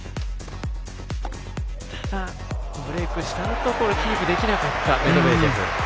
ただ、ブレークしたあとキープできなかったメドベージェフ。